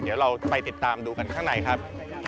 เดี๋ยวเราไปติดตามดูกันข้างในครับ